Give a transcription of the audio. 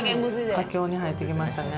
佳境に入ってきましたね